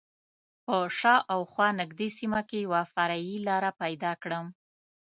په شا او خوا نږدې سیمه کې یوه فرعي لاره پیدا کړم.